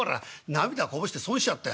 涙こぼして損しちゃったよ。